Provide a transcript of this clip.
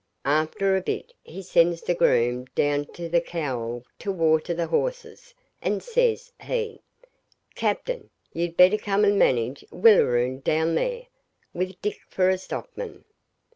After a bit he sends the groom down to the Cowall to water the horses, and, says he 'Captain, you'd better come and manage Willaroon down there, with Dick for stockman.